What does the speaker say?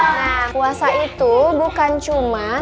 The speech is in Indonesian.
nah puasa itu bukan cuma